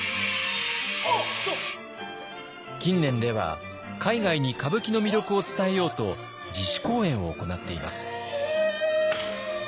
近年では海外に歌舞伎の魅力を伝えようと自主公演を行っています。